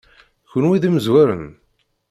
Kenwi d imezrawen?